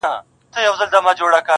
خو نا مناسبه به وي